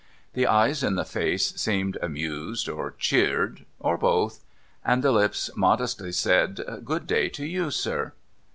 The eyes in the face seemed amused, or cheered, or both, and the lips modestly said :' Good day to you, sir.'